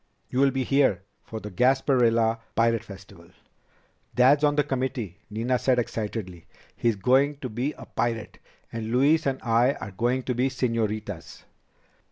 "You'll be here for the Gasparilla Pirate Festival." "Dad's on the committee," Nina said excitedly. "He's going to be a pirate. And Louise and I are going to be señoritas."